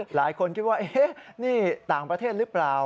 หลายคนคิดว่านี่ต่างประเทศหรือเปล่า